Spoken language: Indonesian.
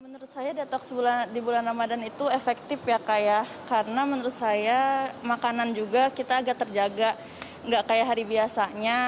menurut saya detox di bulan ramadan itu efektif ya kak ya karena menurut saya makanan juga kita agak terjaga nggak kayak hari biasanya